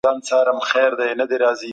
حقوقي رکنونه د ټولني اساس جوړوي.